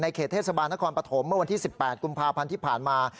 เขตเทศบาลนครปฐมเมื่อวันที่๑๘กุมภาพันธ์ที่ผ่านมา